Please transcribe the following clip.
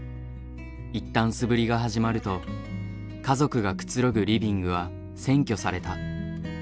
いったん素振りが始まると家族がくつろぐリビングは占拠された。